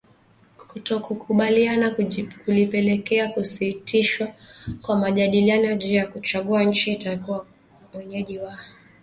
Kutokukubaliana kulipelekea kusitishwa kwa majadiliano juu ya kuchagua nchi itakayokuwa mwenyeji wa Taasisi ya Vyombo vya Habari Afrika Mashariki.